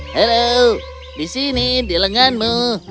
halo di sini di lenganmu